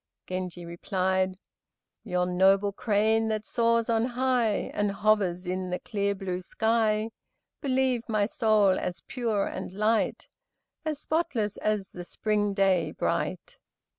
Genji replied, "Yon noble crane that soars on high, And hovers in the clear blue sky, Believe my soul as pure and light; As spotless as the spring day bright.